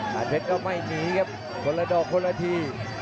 ค่ะแภทก็มีกันออกไว้คนละดอกคนละที